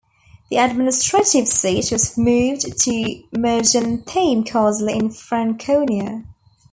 The administrative seat was moved to Mergentheim Castle in Franconia.